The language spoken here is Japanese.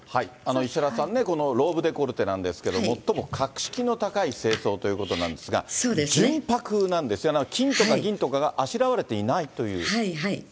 石原さんね、このローブデコルテなんですけれども、最も格式の高い正装ということなんですが、純白なんですよね、金とか銀とかがあしらわれていないという。